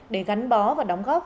để gắn bó và đóng góp